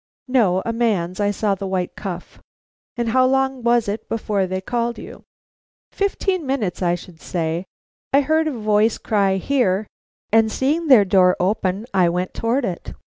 "No; a man's. I saw the white cuff." "And how long was it before they called you?" "Fifteen minutes, I should say. I heard a voice cry 'Here!' and seeing their door open, I went toward it.